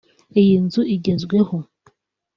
Iyi nzu igezweho